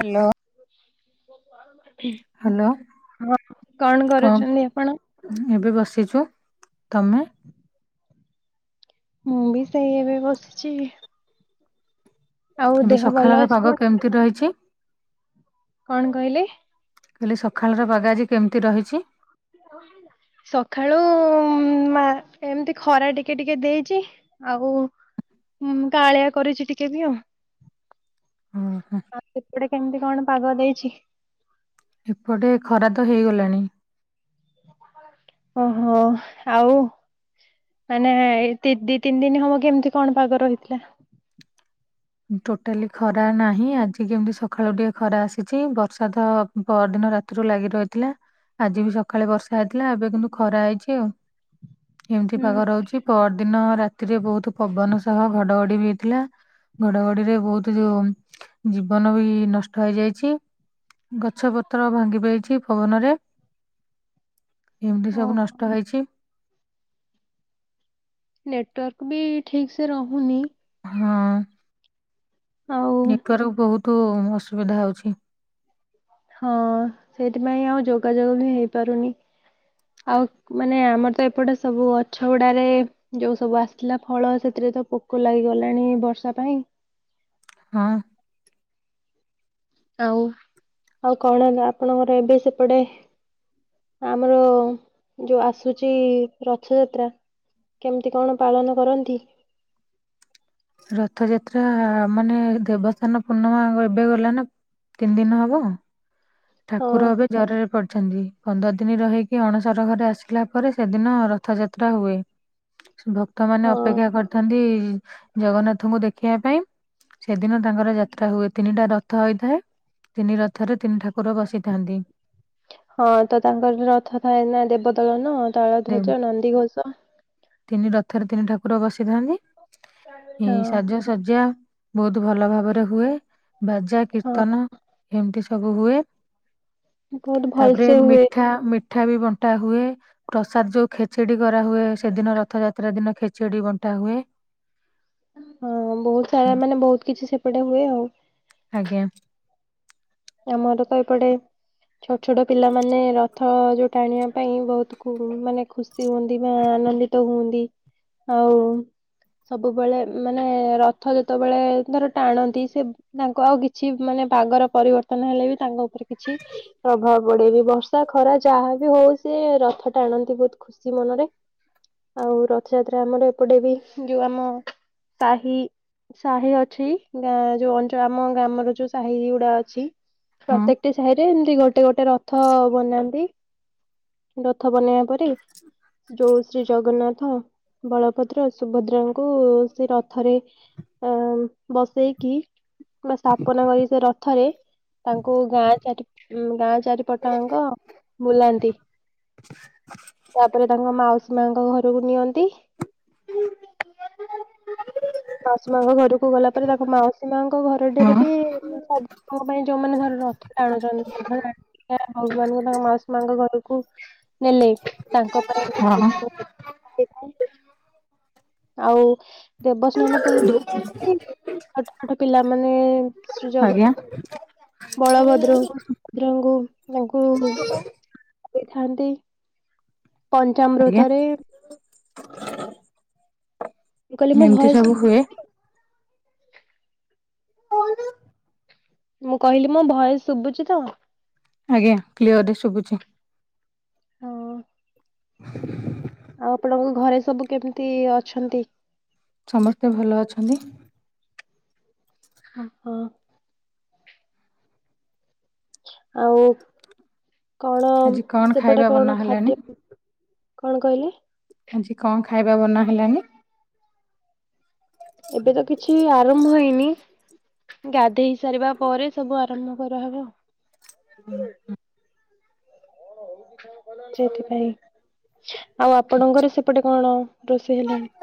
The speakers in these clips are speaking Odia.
ହ୍ୟାଲୋ। ଉଁ। ହ୍ୟାଲୋ କଣ, କରୁଛନ୍ତି ଆପଣ? ଏବେ ବସିଛୁ ତମେ? ମୁଁ ବି ସେଇ ଏବେ ବସିଛି। ଆଉ ଏବେ ଦେହ ଭଲ ସଖାଳର ଅଛି ତ? ପାଗ କେମିତି ରହିଛି? କଣ କହିଲେ? ମୁଁ କହିଲି ସଖାଳର ପାଗ ଆଜି କେମିତି ରହିଛି? ଅଲା ସକାଳୁ ମା ଏମିତି ଖରା ଟିକେ ଟିକେ ଦେଇଛି ଆଉ। ହୁଁ କାହାଳିଆ କରିଛି ଟିକେ ବି ଆଉ। ହୁଁ - ହୁଁ। ଆଉ ସେପଟେ କେମିତି କଣ ପାଗ ଦେଇଛି? ଏପଟେ ଖରା ତ ହେଇଗଲାଣି। ଓ ହୋ ଆଉ। ମାନେ ଏ ଦି ତିନି ଦିନ ହବ କେମିତି କଣ ପାଗ ରହିଥିଲା? ଟୋଟାଲି ଖରା ନାହିଁ, ଆଜି କେମିତି ସକାଳୁ ଟିକେ ଖରା ଆସିଛି। ବର୍ଷା ତ ପଅରଦିନ ରାତିରୁ ଲାଗି ରହିଥିଲା। ଆଜି ବି ସକାଳେ ବର୍ଷା ହେଇଥିଲା, ଏବେ କିନ୍ତୁ ଖରା ହେଇଛି ଆଉ। ଏମିତି ହୁଁ ପାଗ ରହୁଛି, ପରଦିନ ରାତିରେ ବହୁତ ପବନ ସହ ଘଡଘଡି ବି ହେଇଥିଲା। ଘଡଘଡିରେ ବହୁତ ଯୋଉ ଜୀବନ ବି ନଷ୍ଟ ହେଇଯାଇଚି। ଗଛ ପତ୍ର ଭାଙ୍ଗି ପାଇଛି ପବନରେ। ଏମିତି ସବୁ ଓହୋ ନଷ୍ଟ ହେଇଛି। ନେଟୱାର୍କ ବି ଠିକ ସେ ରହୁନି। ହଁ। ଆଉ ନେଟୱାର୍କ ବହୁତ ଅସୁବିଧା ହଉଛି। ହଁ ସେଇଥିପାଇଁ ଆଉ ଯୋଗାଯୋଗ ବି ହେଇପାରୁନି। ଆଉ ମାନେ ଆମର ତ ଏପଟେ ସବୁ ଗଛ ଗୁଡାରେ ଯୋଉ ସବୁ ଆସି ଥିଲା ଫଳ ସେଥିରେ ତ ପୋକ ଲାଗିଗଲାଣି ବର୍ଷା ପାଇଁ। ହଁ। ଆଉ ଆଉ କଣ ହେଲା ଆପଣଙ୍କର ଏବେ ସେପଟେ? ଆମର ଯୋଉ ଆସୁଛି ରଥଯାତ୍ରା କେମିତି କଣ ପାଳନ କରନ୍ତି? ରଥଯାତ୍ରା ମାନେ ଦେବସ୍ଥାନ ପୂର୍ଣ୍ଣିମା ଏବେ ଗଲା ନା ତିନି ଦିନ ହବ। ହଁ ଠାକୁର ଏବେ ଜରରେ ପଡିଛନ୍ତି। ପନ୍ଦର ଦିନ ରହିକି ଅଣସର ଘରେ ଆସିଲା ପରେ ସେଦିନ ରଥଯାତ୍ରା ହୁଏ। ଭକ୍ତ ମାନେ ହଁ ଅପେକ୍ଷା କରିଥାନ୍ତି ଜଗନ୍ନାଥଙ୍କୁ ଦେଖିବା ପାଇଁ ସେଦିନ ତାଙ୍କର ଯାତ୍ରା ହୁଏ। ତିନିଟା ରଥ ହୋଇଥାଏ ତିନି ରଥରେ ତିନି ଠାକୁ କୁର ବସିଥାନ୍ତି। ହଁ ତ ତାଙ୍କର ରଥ ଥାଏ ନା ଦେବଦଳନ, ଦେ- ତାଳଧ୍ୱଜ, ନନ୍ଦିଘୋଷ। ତିନି ରଥରେ ତିନି ଠାକୁର ବସିଥାନ୍ତି। ହଁ ଏଇ ସାଜ ଶଯ୍ୟା ବହୁତ ଭଲ ଭାବରେ ହୁଏ। ବାଜା, ହଁ କୀର୍ତ୍ତନ ଏମିତି ସବୁ ହୁଏ। ବହୁତ ତାପରେ ଭଲସେ ହୁଏ ମିଠା ମିଠା ବି ବଣ୍ଟା ହୁଏ। ପ୍ରସାଦ ଯୋଉ ଖେଚେଡି କରାହୁୁଏ ସେଦିନ ରଥଯାତ୍ରା ଦିନ ଖେଚଡି ବଣ୍ଟା ହୁଏ। ହଁ ବହୁତ ସାରା ମାନେ ବହୁତ କିଛି ସେପଟେ ହୁଏ ଆଉ। ଆଜ୍ଞା। ଆମର ତ ଏପଟେ ଛୋଟ ଛୋଟ ପିଲାମାନେ ରଥ ଯେଉଁ ଟାଣିବା ପାଇଁ ବହୁତ ମାନେ ଖୁସି ଖୁସି ହୁଅନ୍ତି ବା ଆନନ୍ଦିତ ହୁଅନ୍ତି ଆଉ ସବୁବେଳେ ମାନେ ରଥ ଯେତେବେଳେ ଧର ଟାଣନ୍ତି ସେ ତାଙ୍କୁ ଆଉ କିଛି ମାନେ ପାଗର ପରିବର୍ତ୍ତନ ହେଲେ ବି ତାଙ୍କ ଉପରେ କିଛି ପ୍ରଭାବ ବଟେ ବି ବର୍ଷା ଖରା ଯାହା ବିି ହଉ ସେ ରଥ ଟା ଆଣନ୍ତି ବୋହୁତ୍। ଖୁସି ମନରେ ଆଉ ର ରଥଯାତ୍ରା ଆମର ଏପଟେ ବି ଯୋଉ ଆମ ସାହି ସାହି ଅଛି ଗାଁ ଯୋଉ ଅଞ୍ଚଳ ଆମ ଗ୍ରାମର ଯୋଉ ସାହି ଗୁଡା ଅଛି। ହଁ ପ୍ରତ୍ୟେକଟି ସାହିଡରେ ଏମତି ଗୋଟେ ଗୋଟେ ରଥ ବନାନ୍ତି। ରଥ ବନେଇବା ପରେ ଯୋଉ ଶ୍ରୀ ଜଗନ୍ନାଥ, ବଳଭଦ୍ର, ସୁଭଦ୍ରାଙ୍କୁ ସେ ରଥରେ ଅ ବସେଇକି ବା ସ୍ଥାପନା କରିି ସେ ରଥରେ ତାଙ୍କୁ ଗାଁ ଚାରି ଗାଁ ଚାରିପଟାଙ୍କ ବୁଲାନ୍ତି। ତାପରେ ତାଙ୍କ ମାଉସୀ ମାଙ୍କ ଘରକୁ ନିଅନ୍ତି। [unintelligible] ମାଉସୀ ମାଙ୍କ ଘରକୁ ଗଲା ପରେ ତାଙ୍କ ମାଉସୀ ମାଙ୍କ ଘର ରେ ହଁ ବି ସବୁ ପାଇଁ ଯୋଉମାନେ ଧର ରଥ ଟା ଆଣୁଛନ୍ତି ରଥ ଭଗବାନ ତାଙ୍କ ମାଉସୀ ମାଆଙ୍କ ଘରକୁ ନେଲେ ତାଙ୍କ ପାଇଁ ବି ହଁ ବଏ [unintelligible] ଆଉ ଦେବସ୍ନାନ ପୂର୍ଣ୍ଣିମା ଛୋଟ ଛୋଟ ପିଲାମାନେ ଶ୍ରୀ ଆଜ୍ଞା ଜଗନ୍ନାଥ ବଳଭଦ୍ରଙ୍କୁ ଭଦ୍ରଙ୍କୁ ତାଙ୍କୁ କହିଥାନ୍ତି ଆଜ୍ଞା ପଞ୍ଚମୃତରେ ମୁଁ କହିଲି ମୋ ଏମିତି ସବୁ ଭଏସ ହୁଏ। ମୁଁ କହିଲି ମୋ ଭୟସ ଶୁଭୁଛି ତ? ଆଜ୍ଞା କ୍ଲିଅର ରେ ଶୁଭୁଛି। ହଁ। [inaudible] ଆଉ ଆପଣଙ୍କ ଘରେ ସବୁ କେମିତି ଅଛନ୍ତି? ସମସ୍ତେ ଭଲ ଅଛନ୍ତି। ହୁଁ ଆଉ କଣ ଆଜି କଣ ସେପଟେ ଖାଇବା ବନା କଣ ହେଲାନି ଖାଦ୍ୟ କଣ କହିଲେ? ଆଜି କଣ ଖାଇବା ବନା ହେଲାଣିି? ଏବେ ତ କିଛି ଆରମ୍ଭ ହେଇନି। ଗାଧେଇ ସାରିବା ପରେ ସବୁ ଆରମ୍ଭ କରାହବ। ହୁଁ। ସେଥିପାଇଁ ଆଉ ଆପଣଙ୍କର ସେପଟେ କଣ ରୋଷେଇ ହେଲାଣି?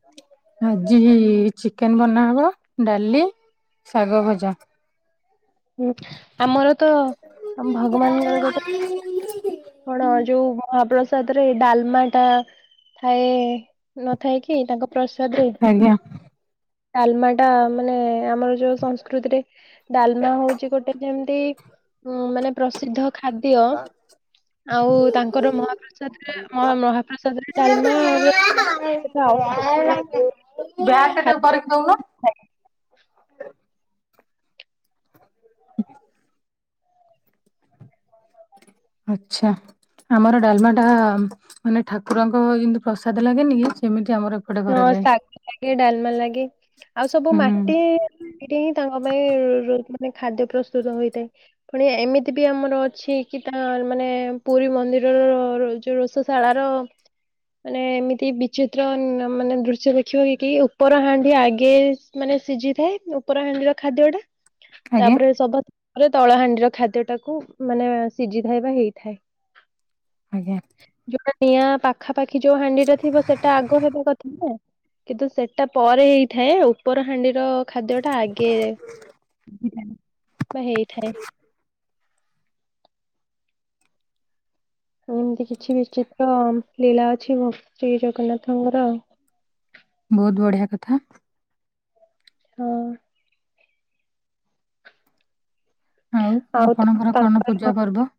ହ ଆଜି ଚିକେନ ବନାହବ ଡାଲି ଶାଗ ଭଜା। ହୁଁ ଆମର ତ ଆମ ଭଗବାନଙ୍କର ଗୋଟେ [unintelligible] କଣ ଯୋଉ ମହାପ୍ରସାଦ ରେ ଡାଲମା ଟା ଥାଏ ନଥାଏ କିି ତାଙ୍କ ପ୍ରସାଦରେ। ଆଜ୍ଞା। ଡାଲମା ଟା ମାନେ ଆମର ଯୋଉ ସଂସ୍କୃତିରେ ଡାଲମା ହୋଉଛି ଗୋଟେ ଯେମିତି ଉ ମାନେ ପ୍ରସିଦ୍ଧ ଖାଦ୍ୟ। ଆଉ ତାଙ୍କର ମହାପ୍ରସାଦ ଟା ମହାପ୍ରସାଦ ରେ ଡାଲମା ହୁଏ। ସେଟା ଆଉ ଶୁଭୁନି କୋଉ ବ୍ୟାକଟା ସେଟା କରିକି ଦଉନୁ। ଆ [inaudible] ଆଚ୍ଛା। ଆମର ଡାଲମା ଟା ମାନେ ଠାକୁରଙ୍କ ଯେମତି ପ୍ରସାଦ ଲାଗେନି କି ସେମିତି ଆମର ବି ହଁ ଶାଗ ଲାଗେ ଡାଲମା ଲାଗେ ଆଉ ସବୁ ହୁଁ ମାଟି ସେଇଠି ହିଁ ତାଙ୍କ ପାଇଁ ରୁ ମାନେ ଖାଦ୍ୟ ପ୍ରସ୍ତୁତ ହୋଇଥାଏ। ପୁଣି ଏମିତି ବି ଆମର ଅଛି କି ତା ମାନେ ପୁରୀ ମନ୍ଦିରର ଯୋଉ ରୋଷ ଶାଳାର ମାନେ ଏମିତି ବିଚିତ୍ର ମାନେ ଦୃଶ୍ୟ ଦେଖିବ କି କି ଉପର ହାଣ୍ଡି ଆଗେ ମାନେ ସିଝି ଥାଏ ଉପର ହାଣ୍ଡିର ଖାଦ୍ୟ ଟା। ଆଜ୍ଞା ତାପରେ ସଭା ତଳାହାଣ୍ଡିର ଖାଦ୍ୟଟାକୁ ମାନେ ସିଝିଥାଏ ବା ହେଇଥାଏ। ଆଜ୍ଞା। ଯୋଉଟା ନିଆଁ ପାଖାପାଖି ଯୋଉ ହାଣ୍ଡି ଟା ଥିବ ସେଟା ଆଗ ହେବା କଥା କିନ୍ତୁ ସେଟା ପରେ ହେଇଥାଏ ଉପର ହାଣ୍ଡିର ଖାଦ୍ୟ ଟା ଆଗେ ବା ହେଇଥାଏ। ଏମିତି କିଛି ବିଚିତ୍ର ଲୀଳା ଅଛି ଭ ଶ୍ରୀ ଜଗନ୍ନାଥଙ୍କର। ବହୁତ ବଢିଆ କଥା। ହଁ। ଆଉ ଆପଣଙ୍କର କଣ ପୂଜା ପର୍ବ?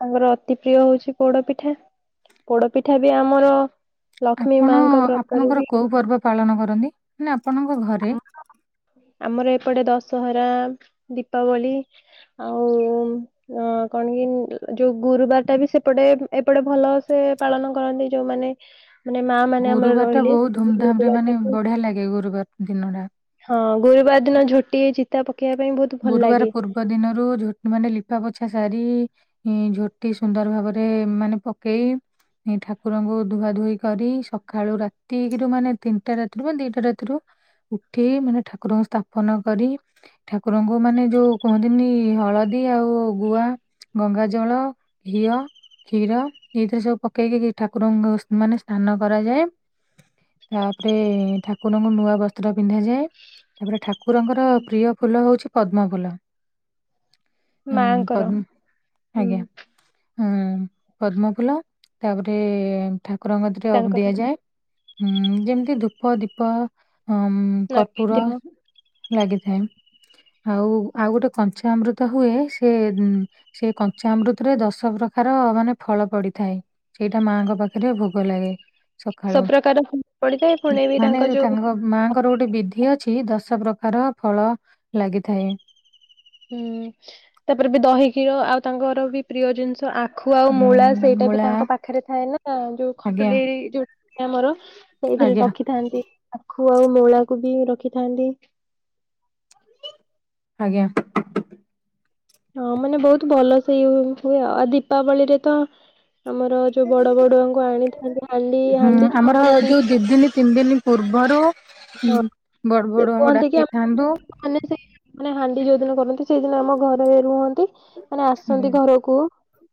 ତାଙ୍କର ଅତି ପ୍ରିୟ ହୋଉଚି ପୋଡପିଠା ପୋଡପିଠା ବି ଆମର ଲକ୍ଷ୍ମୀ ଆପଣ ମାଙ୍କ ବ୍ରତରୁ ଆପଣଙ୍କର ବି କୋଉ ପର୍ବ ପାଳନ କରନ୍ତି ନେ ଆପଣଙ୍କ ଘରେ। ଆମର ଏପଟେ ଦଶହରା ଦୀପାବଳି। ଆଉ। ଅ କଣ କି ଯୋଉ ଗୁରୁବାର ଟା ବି ସେପଟେ ଏପଟେ ଭଲ ସେ ପାଳନ କରନ୍ତି ଯୋଉମାନେ ମାନେ ମା ମାନେ ଆମର ଗୁରୁବାର ଟା ରହିଲେ ବହୁତ ଧୁମଧାମ ରେ ଗୁରୁବାର ମାନେ ଟାକୁ ବଢିଆ ଲାଗେ ଗୁରୁବାର ଦିନ ଟା। ହଁ ଗୁରୁବାର ଦିନ ଝୋଟି ଚିତା ପକେଇବା ପାଇଁ ବହୁତ ଭଲ ଗୁରୁବାର ଲାଗେ ପୂର୍ବ ଦିନରୁ ଝୋ ମାନେ ଲିପା ପୋଛା ସାରି। ଝୋଟି ସୁନ୍ଦର ଭାବରେ ମାନେ ପକେଇ ଏ ଠାକୁରଙ୍କୁ ଧୁଆ ଧୁୋଇ କରି ସକାଳୁ ରାତି ଗୁରୁ ମାନେ ତିନିଟା ରାତିରୁ ବା ଦିଟା ରାତିରୁ ଉଠି ମାନେ ଠାକୁରଙ୍କୁ ସ୍ଥାପନ କରି। ଠାକ୍ କୁରଙ୍କୁ ମାନେ ଯୋଉ କୁହନ୍ତିନି ହଳଦୀ ଆଉ ଗୁଆ। ଗଙ୍ଗା ଜଳ ଘିଅ। କ୍ଷୀର ଏଇଥି ସବୁ ପକେଇକି ଠାକୁରଙ୍କୁ ମାନେ ସ୍ନାନ କରାଯାଏ। ତାପରେ ଠାକୁରଙ୍କୁ ନୂଆ ବସ୍ତ୍ର ପିନ୍ଧାଯାଏ। ତାପରେ ଠାକୁରଙ୍କର ପ୍ରିୟ ଫୁଲ ହଉଛି ପଦ୍ମ ଫୁଲ। ହଁ ମାଙ୍କର ପଦ୍ମ ହୁଁ ଆଜ୍ଞା। ହଁ ପଦ୍ମଫୁଲ ତାପରେ ଠାକୁରଙ୍କତିରେ ଅଗ୍ ତାଙ୍କର ଦିଆଯାଏ। ଉଁ ଯେମିତି ଧୂପ ଦୀପ ଉ କର୍ପୂର ନୈବେଦ୍ୟ ଲାଗିଥାଏ। ଆଉ ଆଉ ଗୋଟେ କଞ୍ଚା ଅମୃତ ହୁଏ। ସେ ସେଇ କଞ୍ଚାମୃତରେ ଦଶ ପ୍ରକାର ମାନେ ଫଳ ପଡିଥାଏ। ସେଇଟା ମାଙ୍କ ପାଖରେ ଭୋଗ ଲାଗେ। ସବୁ ସକାଳୁ ପ୍ରକାର ପଡିଥାଏ ପୁଣି ବି ମାନେ ଯୋଉ ତାଙ୍କ ମା ର ଗୋଟେ ବିଧି ଅଛି ଦଶ ପ୍ରକାର ଫଳ ଲାଗିଥାଏ। ହୁଁ ତାପରେ ବି ଦହି କ୍ଷୀର ଆଉ ତାଙ୍କର ବି ପ୍ରିୟ ଜିନିଷ ଆ ଖୁଆ ଆଉ ଉଁ ମୂଳା ସେଇଟା ବି ମୂଳା ତାଙ୍କ ପାଖରେ ଥାଏ ନା। ଯୋଉ ଆଜ୍ଞା ଖଟୁଲି ଯୋଉ ଆମର ସେଇଥିରେ ଆଜ୍ଞା ରଖିଥାନ୍ତି। ଆଖୁ ଆଉ ମୂଳାକୁ ବି ରଖିଥାନ୍ତି। ଆଜ୍ଞା। ହଁ ମାନେ ବହୁତ ଭଲ ସେଇ ହୁଏ। ଆ ଆଉ ଦୀପାବଳିରେ ତ ଆମର ଯୋଉ ବଡ ବଡୁଆଙ୍କୁ ଆଣିଥାନ୍ତି ହାଣ୍ଡି ହାଣ୍ଡି ଯୋଉ ଆମର କୁହନ୍ତି। ଦୁଇ ଦିନ ତିନି ଦିନ ପୂର୍ବରୁ ହଁ ବଡ ବଡୁଆଙ୍କୁ କୁହନ୍ତି କି ଡାକିଥାଆନ୍ତୁ। ମାନେ ସେ ମାନେ ହାଣ୍ଡି ଯୋଉ ଦିନ କରନ୍ତି। ସେଇଦିନ ଆମ ଘରେ ରୁହନ୍ତି। ମାନେ ହୁଁ। ଆସନ୍ତି ଘରକୁ।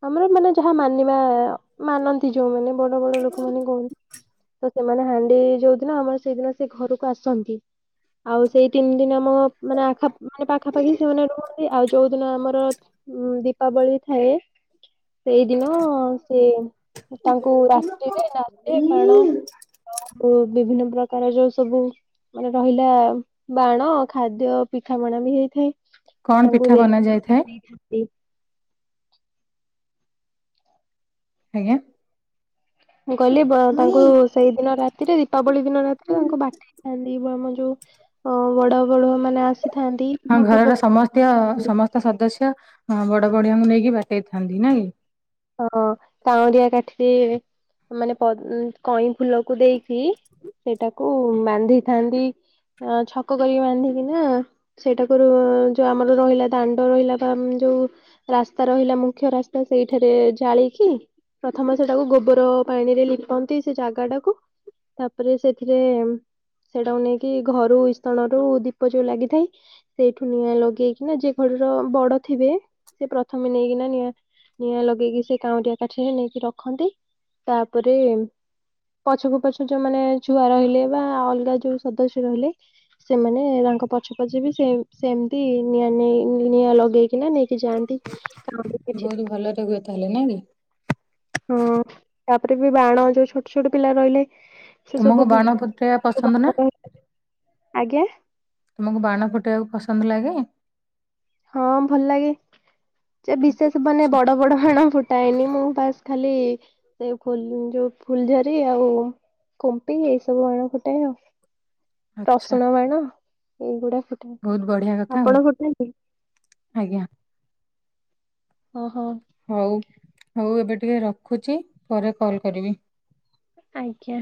ଆମର ମାନେ ଯାହା ମାନିବା। ମାନନ୍ତି ଯୋଉମାନେ ବଡ ବଡ ଲୋକମାନେ କୁହନ୍ତି। ତ ସେମାନେ ହାଣ୍ଡି ଯୋଉଦିନ ଆମର ସେଇଦିନ ସେ ଘରକୁ ଆସନ୍ତି। ଆଉ ସେଇ ତିନି ଦିନ ଆମ ମାନେ ଆଖ ମାନେ ପାଖାପାଖି ସେମାନେ ରୁହନ୍ତି। ଆଉ ଯୋଉଦିନ ଆମର ହଁ ଦୀପାବଳି ଥାଏ। ସେଇଦିନ ସେ ତାଙ୍କୁ ରାତିରେ ନାଚରେ କଣ? ବିଭିନ୍ନ ପ୍ରକାର ଯୋଉ ସବୁ ମାନେ ରହିଲା ବାଣ ଖାଦ୍ୟ ପିଠାମଣା ବି ହେଇଥାଏ। କଣ ତାଙ୍କୁ ପିଠା ବନା ଦେଇକି ନେଇ ଯାଇଥାଏ ଦେଇଥାନ୍ତି। ଆଜ୍ଞା। ମୁଁ କହିଲି ବ ତାଙ୍କୁ ସେଇଦିନ ରାତିରେ ଦୀପାବଳି ଦିନ ରାତିରେ ତାଙ୍କ ବାଟେଇ ଥାନ୍ତି। ଆମ ଯୋଉ ଅ ବଡ ବଡୁଆ ମାନେ ଆସିଥାନ୍ତି। ହଁ କିମ୍ବା ପୂର୍ବ ଘରର ସମସ୍ତ ସମସ୍ତ ସଦସ୍ୟ ବଡ ବଡିଆଙ୍କୁ ନେଇକି ବାଟେଇଥାନ୍ତି ନା କି। ହଁ କାଉଁରିଆ କାଠି ମାନେ ପଦ୍ କଇଁ ଫୁଲକୁ ଦେଇକି ସେଇଟାକୁ ବାନ୍ଧିଥାନ୍ତି। ଆ ଛକ କରିକି ବାନ୍ଧିକି ନା ସେଇଟାକୁ ଯୋଉ ଆମର ରହିଲା ଦାଣ୍ଡ ରହିଲା। ବା ଯୋଉ ରାସ୍ତା ରହିଲା। ମୁଁ ମୁଖ୍ୟ ରାସ୍ତା ସେଇଠାରେ ଜାଳିକି ପ୍ରଥମ ସେଟାକୁ ଗୋବର ପାଣିରେ ଲିପନ୍ତି ସେ ଜାଗା ଟାକୁ। ତାପରେ ସେଥିରେ ସେଇଟାକୁ ନେଇକି ଘରୁ ଇସଣରୁ ଦୀପ ଯୋଉ ଲାଗିଥାଏ। ସେଇଠୁ ନିଆଁ ଲଗେଇକିନା ଯେ ଘରର ବଡ ଥିବେ। ସେ ପ୍ରଥମେ ନେଇକିନା ନିଆଁ ନିଆଁ ଲଗେଇକି ସେ କାଉଁରିଆ କାଠରେ ନେଇକି ରଖନ୍ତି। ତାପରେ ପଛକୁ ପଛ ଯୋଉ ମାନେ ଛୁଆ ରହିଲେ। ବା ଅଲଗା ଯୋଉ ସଦସ୍ୟ ରହିଲେ। ସେମାନେ ତାଙ୍କ ପଛ ପଛେ ବି ସେ ସେମିତି ନିଆଁ ନେଇ ନିଆଁ ଲଗେଇକିନା ନେଇକି ଯାଆନ୍ତି। କଣ? ବହୁତ ଭଲରେ ହୁଏ ତାହେଲେ ନା କି। ହଁ ତାପରେ ବି ବାଣ ଯୋଉ ଛୋଟ ଛୋଟ ପିଲା ରହିଲେ। ତୁମକୁ ବାଣ ଫୁଟେଇବା ପସନ୍ଦ ନା ଆଜ୍ଞା। ତୁମକୁ ବାଣ ଫୁଟାଇବାକୁ ପସନ୍ଦ ଲାଗେ? ହଁ ଭଲ ଲାଗେ ଯେ ବିଶେଷ ମାନେ ବଡ ବଡ ବାଣ ଫୁଟାଏନି ମୁଁ ବାସ୍ ଖାଲି ସେ ଫୁଲ୍ ଯୋଉ ଫୁଲଝରି ଆଉ କୁମ୍ପି ଏଇ ସବୁ ବାଣ ଫୁଟାଏ ଆ ଆଚ୍ଛା ରସୁଣ ବାଣ ଏଇଗୁଡା ଫୁଟା ବହୁତ ବଢିଆ କଥା ଟାଏ ଆଉ ଆପଣ ଫୁଟାନ୍ତି? ଆଜ୍ଞା। ଓହୋ। ହଉ ହଉ ଏବେ ଟିକେ ରଖୁଛି ପରେ କଲ୍ କରିବି। ଆଜ୍ଞା।